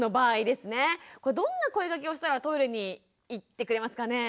これどんな声がけをしたらトイレに行ってくれますかね？